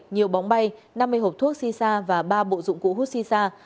nhiều bóng bay năm mươi hộp thuốc xì xa và ba bộ dụng cụ hút xì xa